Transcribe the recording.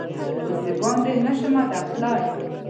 اوس دباندې نه شمه تللا ی